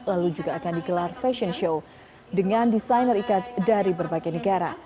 lalu juga akan digelar fashion show dengan desainer ikat dari berbagai negara